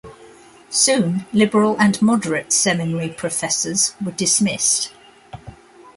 Soon liberal and moderate seminary professors were dismissed.